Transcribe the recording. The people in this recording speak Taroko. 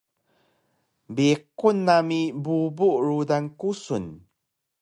Biqun nami bubu rudan kusun